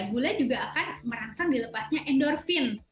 gula juga akan merangsang dilepasnya endorfin